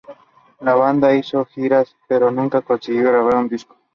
La banda hizo giras, pero nunca consiguió grabar un disco.